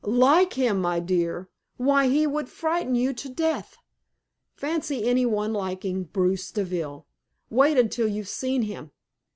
"Like him, my dear! Why, he would frighten you to death. Fancy any one liking Bruce Deville! Wait until you've seen him.